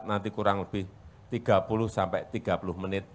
nanti kurang lebih tiga puluh sampai tiga puluh menit